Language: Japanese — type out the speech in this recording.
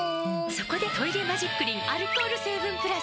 そこで「トイレマジックリン」アルコール成分プラス！